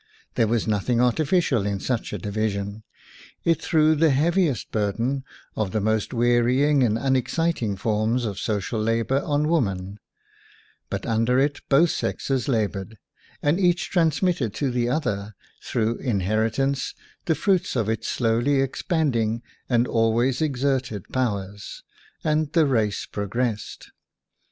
There was nothing artificial in such a division; it threw the heaviest burden of the most wearying and unex citing forms of social labor on woman, but under it both sexes labored, and each transmitted to the other, through inheritance, the fruit of its slowly ex panding and always exerted powers; and the race progressed.